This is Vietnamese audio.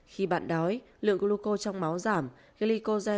khi bạn đói lượng gluco trong máu giảm glycogen sẽ được biến tạo